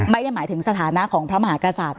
ไม่ได้หมายถึงสถานะของพระมหากษัตริย์